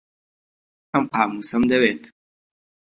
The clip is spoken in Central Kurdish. ئەم قامووسەم دەوێت.